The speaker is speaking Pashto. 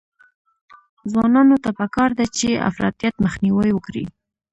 ځوانانو ته پکار ده چې، افراطیت مخنیوی وکړي.